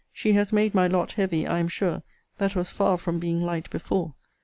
She has made my lot heavy, I am sure, that was far from being light before!